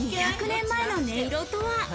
２００年前の音色とは？